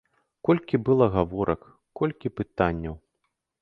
Колькі было гаворак, колькі пытанняў!